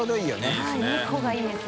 神田）はい２個がいいです。